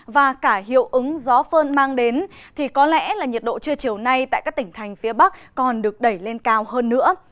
và cả hiệu ứng gió phơn mang đến thì có lẽ là nhiệt độ trưa chiều nay tại các tỉnh thành phía bắc còn được đẩy lên cao hơn nữa